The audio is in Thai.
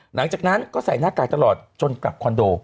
หลังจากนั้นก็ใส่หน้ากากตลอดจนกลับคอนโด